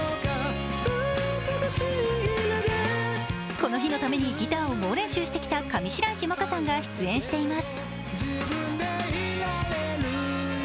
この日のためにギターを猛練習してきた上白石萌歌さんが出演しています。